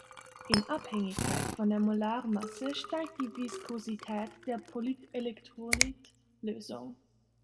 In Abhängigkeit von der Molare Masse steigt die Viskosität der Polyelektrolyt-Lösungen.